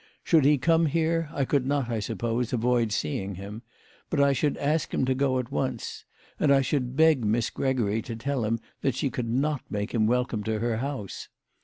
Should he come here I could not, I suppose, avoid seeing him, but I should ask him to go at once ; and I should beg Miss Gregory to tell him that she could not make him welcome to her house.